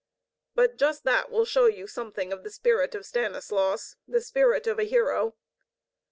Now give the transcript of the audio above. But just that will show you something of the spirit of Stanislaus, the spirit of a hero.